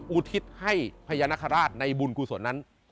อุทิศให้พญานาคาราชในบุญกุศลนั้น